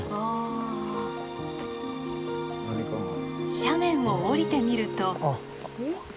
斜面を下りてみると。